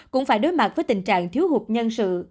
cũng phải đối mặt với tình trạng thiếu hụt nhân sự